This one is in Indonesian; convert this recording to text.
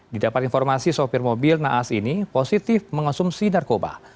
didapat informasi sopir mobil naas ini positif mengonsumsi narkoba